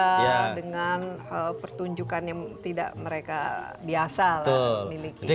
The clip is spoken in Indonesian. sesuatu yang berbeda dengan pertunjukan yang tidak mereka biasa lah memiliki